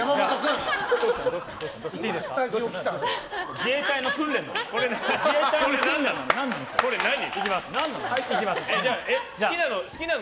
自衛隊の訓練なの？